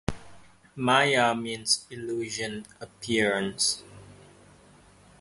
Maya means "illusion, appearances".